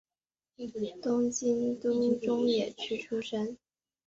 东京都中野区出生。